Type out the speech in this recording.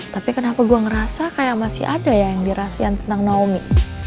tapi kenapa gue ngerasa kayak masih ada ya yang dirasikan tentang naomi